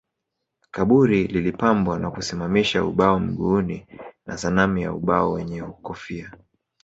Kaburi lilipambwa kwa kusimamisha ubao mguuni na sanamu ya ubao wenye kofia